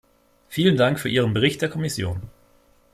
Vielen für Dank für Ihren Bericht der Kommission.